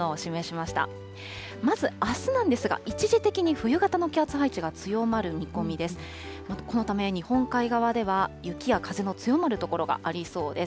まずあすなんですが、一時的に冬型の気圧配置が強まる見込みです。